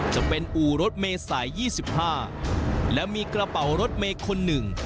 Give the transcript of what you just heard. จะเป็นอู่รถเมย์สายยี่สิบห้าและมีกระเป๋ารถเมย์คนหนึ่ง